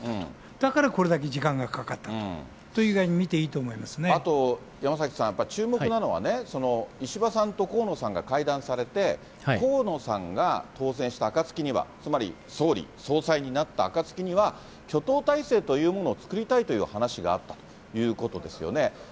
だからこれだけ時間がかかったとあと山崎さん、やっぱり注目なのは、石破さんと河野さんが会談されて、河野さんが当選したあかつきには、つまり総理総裁になったあかつきには、挙党体制というものを作りたいという話があったということですよね。